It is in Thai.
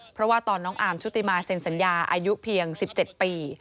เพราะว่าตอนน้องอาร์มชุติมาเซ็นสัญญาอายุเพียง๑๗ปี